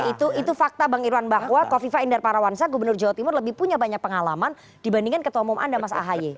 itu fakta bang irwan bahwa kofifa indar parawansa gubernur jawa timur lebih punya banyak pengalaman dibandingkan ketua umum anda mas ahaye